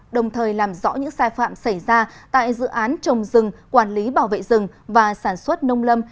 đồng thời làm rõ những sai phạm xảy ra tại dự án trồng rừng quản lý bảo vệ rừng và sản xuất nông lâm